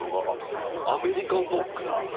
あっ「アメリカンドッグ」だ。